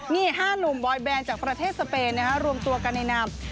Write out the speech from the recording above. นี่๕หนุ่มบอยแบนจากประเทศสเปนรวมตัวกันในนาม